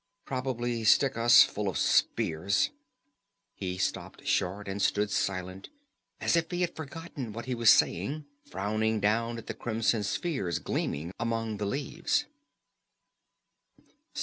Probably stick us full of spears " He stopped short and stood silent, as if he had forgotten what he was saying, frowning down at the crimson spheres gleaming among the leaves.